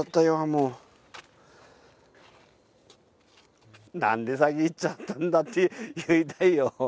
もう何で先逝っちゃったんだって言いたいよ